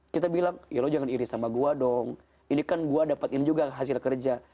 kita bilang ya lo jangan iri sama gua dong ini kan gua dapat ini juga hasil kerja